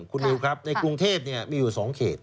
คุณวิวครับในกรงเทพเนี่ยมีอยู่๒เขต